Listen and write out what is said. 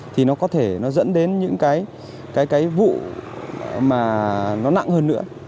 thì nó có thể nó dẫn đến những cái vụ mà nó nặng hơn nữa